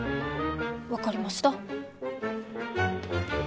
分かりました。